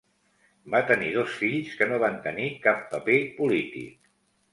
Va tenir dos fills que no van tenir cap paper polític.